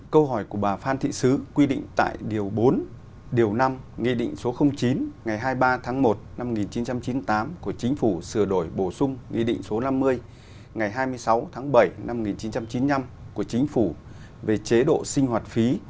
câu hỏi của bà phan thị sứ quy định tại điều bốn điều năm nghị định số chín ngày hai mươi ba tháng một năm một nghìn chín trăm chín mươi tám của chính phủ sửa đổi bổ sung nghị định số năm mươi ngày hai mươi sáu tháng bảy năm một nghìn chín trăm chín mươi năm của chính phủ về chế độ sinh hoạt phí